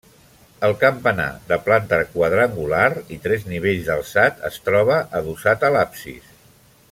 El campanar, de planta quadrangular i tres nivells d'alçat, es troba adossat a l'absis.